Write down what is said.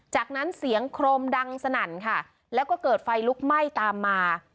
จากนั้นเสียงโครมดังสนั่นค่ะแล้วก็เกิดไฟลุกไหม้ตามมา